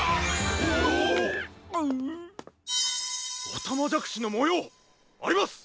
おたまじゃくしのもよう！あります！